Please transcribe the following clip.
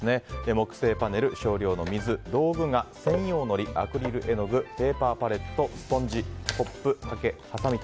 木製パネル少量の水、道具が専用のり、アクリル絵の具ペーパーパレット、スポンジコップ、はけ、はさみ。